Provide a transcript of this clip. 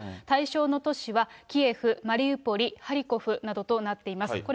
対象の都市は、キエフ、マリウポリ、ハリコフなどとなっています。